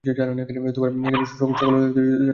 স্কুলে রয়েছে বিশাল একটি লাইব্রেরি।